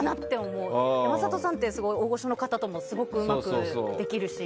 山里さんって大御所の方ともすごくうまくできるし。